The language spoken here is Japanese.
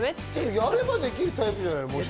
やればできるタイプじゃない？